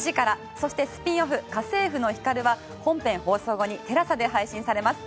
そしてスピンオフ「家政負のヒカル」は本編放送後にＴＥＬＡＳＡで配信されます。